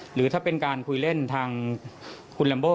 หรือถ้าเป็นการคุยเล่นทางคุณลัมโบ